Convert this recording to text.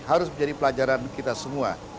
harus menjadi pelajaran kita semua